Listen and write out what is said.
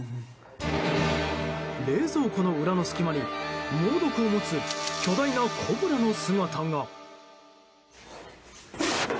冷蔵庫の裏の隙間に猛毒を持つ巨大なコブラの姿が。